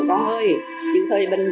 của người vợ trẻ